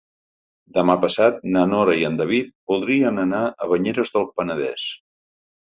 Demà passat na Nora i en David voldrien anar a Banyeres del Penedès.